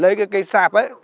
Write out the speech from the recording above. lấy cái cây sạp ấy